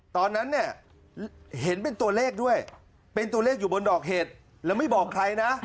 ตอนนั้นเนี่ยเห็นเป็นตัวเลขด้วยเป็นตัวเลขอยู่บนดอกเห็ดแล้วไม่บอกใครนะ